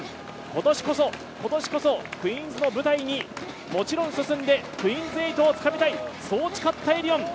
今年こそ、今年こそクイーンズの舞台に、もちろん進んでクイーンズ８をつかみたいと話したエディオン。